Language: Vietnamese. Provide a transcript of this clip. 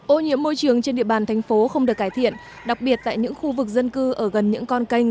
ô nhiễm môi trường trên địa bàn thành phố không được cải thiện đặc biệt tại những khu vực dân cư ở gần những con kênh